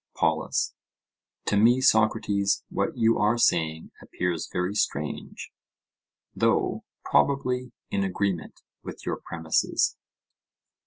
POLUS: To me, Socrates, what you are saying appears very strange, though probably in agreement with your premises.